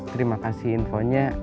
terima kasih infonya